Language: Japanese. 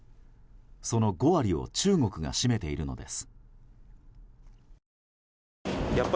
その５割を中国が占めているのです。